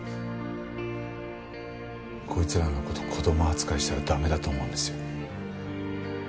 こいつらの事子供扱いしたら駄目だと思うんですよ。